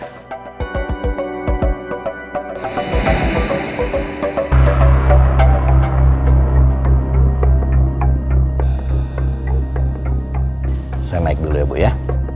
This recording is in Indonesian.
saya naik dulu ya bu ya